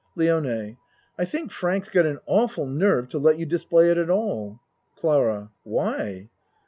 LIONE I think Frank's got an awful nerve to let you display it at all. CLARA Why?